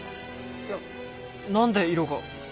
いや何で色が。